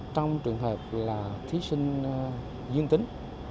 trong trường hợp là thí sinh dương tính